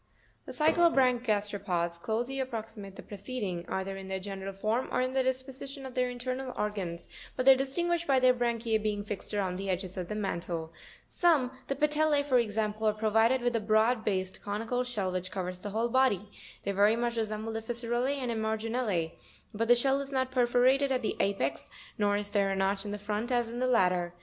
32. The cyclobranch gasteropods closely approximate the pre ceding, either in their general form, or in the disposition of their internal organs; but they are distinguished by their branchise being fixed around the edges of the mantle ( fig. 78). 38. Some, the Patelle (fig. 78), for example, are provided with a broad based, eonical shell, which covers the whole body ; they very much resemble the Fissurel lz and Emarginule, but the shell is not perforated at the apex, nor is there a notch in front as in the latter.